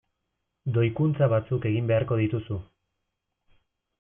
Doikuntza batzuk egin beharko dituzu.